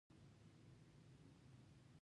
پدې دوران کې ځینې اړیکې منځ ته راځي.